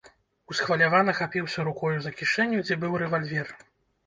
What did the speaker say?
Усхвалявана хапіўся рукою за кішэню, дзе быў рэвальвер.